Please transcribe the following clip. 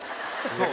そう。